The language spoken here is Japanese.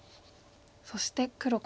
そして黒